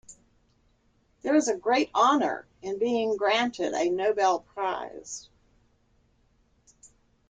There is a great honour in being granted a Nobel prize.